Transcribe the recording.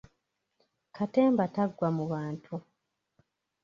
Katemba taggwa mu bantu!